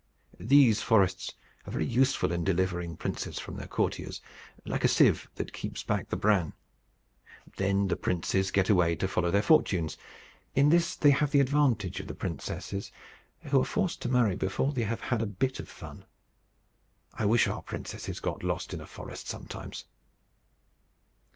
These forests are very useful in delivering princes from their courtiers, like a sieve that keeps back the bran. Then the princes get away to follow their fortunes. In this they have the advantage of the princesses, who are forced to marry before they have had a bit of fun. I wish our princesses got lost in a forest sometimes.